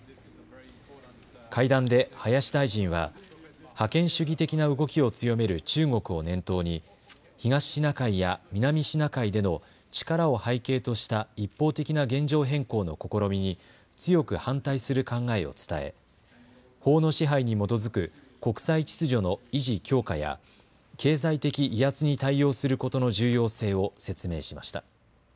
会談で林大臣は覇権主義的な動きを強める中国を念頭に東シナ海や南シナ海での力を背景とした一方的な現状変更の試みに強く反対する考えを伝え法の支配に基づく国際秩序の維持・強化や経済的威圧に対応することの重要性を説明しました。